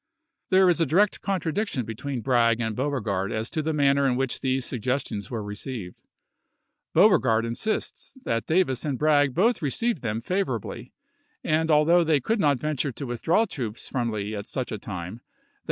There is a direct contradiction between Bragg and Beauregard as to the manner in which these suggestions were received. Beauregard insists that Davis and Bragg both received them favor SPOTSYLVANIA AND COLD HARBOE 397 ably, and although they could not venture to chap. xv. withdraw troops from Lee at such a time, they